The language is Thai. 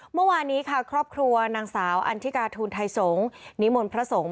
เมื่อวานนี้ค่ะครอบครัวนางสาวอันทิกาทูลไทยสงฆ์นิมนต์พระสงฆ์